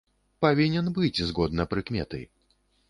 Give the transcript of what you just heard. Павінен быць, згодна прыкметы.